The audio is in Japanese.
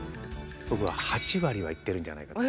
僕は８割はいってるんじゃないかと。